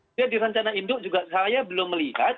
jadi di rencana induk juga saya belum melihat